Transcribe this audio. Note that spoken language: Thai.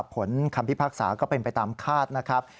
คำพิพากษาก็เป็นไปตามคาดนะครับ